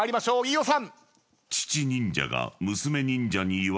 飯尾さん！